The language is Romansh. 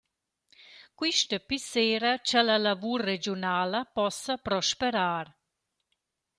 Quista pissera cha la lavur regiunala possa prosperar.